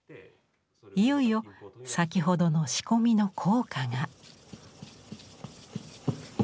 いよいよ先ほどの仕込みの効果が。